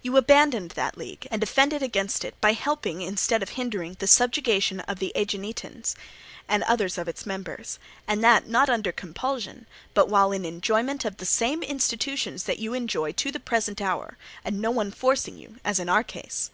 You abandoned that league, and offended against it by helping instead of hindering the subjugation of the Aeginetans and others of its members, and that not under compulsion, but while in enjoyment of the same institutions that you enjoy to the present hour, and no one forcing you as in our case.